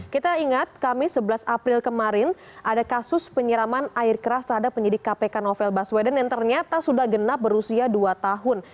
kita ingat kami sebelas april kemarin ada kasus penyiraman air keras terhadap penyidik kpk novel baswedan yang ternyata sudah genap berusia dua tahun